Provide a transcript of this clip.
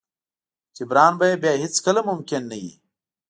جبران به يې بيا هېڅ کله ممکن نه وي.